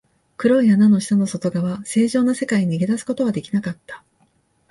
黒い穴の下の外側、正常な世界に逃げ出すことはできなかった。